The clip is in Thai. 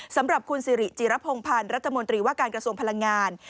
สำหรับคุณสิริจิรพงพันธ์รัฐมนตรีว่าการกระทรวงพลังงาน